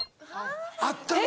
あったな。